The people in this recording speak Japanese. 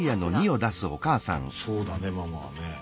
そうだねママはね。